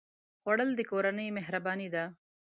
خوړل د کورنۍ مهرباني ده